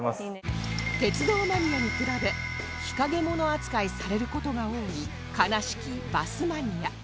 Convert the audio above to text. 鉄道マニアに比べ日陰者扱いされる事が多い悲しきバスマニア